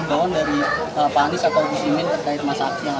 ada ribawan dari pak anies atau bukti min